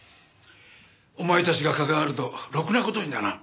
お前たちが関わるとろくな事にならん。